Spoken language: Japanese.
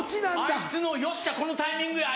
あいつの「よっしゃこのタイミングや！」